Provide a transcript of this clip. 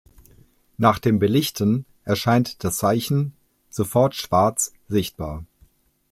Nach dem Belichten erscheint das Zeichen sofort schwarz sichtbar.